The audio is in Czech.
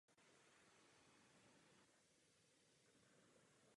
Založil město Tiberias jako své sídlo.